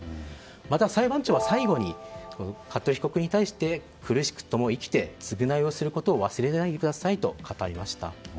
また、裁判長は最後に服部被告に対して苦しくとも生きて償いをすることを忘れないでくださいと語りました。